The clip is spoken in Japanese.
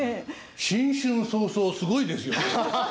新春早々すごいですよ。